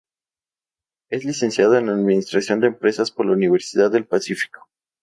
Es licenciado en Administración de Empresas por la Universidad del Pacífico.